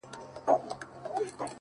• ستا د سوځلي زړه ايرو ته چي سجده وکړه؛